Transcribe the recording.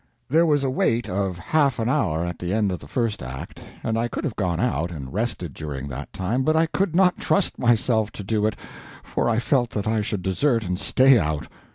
There was a wait of half an hour at the end of the first act, and I could have gone out and rested during that time, but I could not trust myself to do it, for I felt that I should desert to stay out.